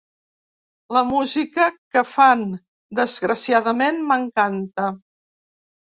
La música que fan desgraciadament m’encanta.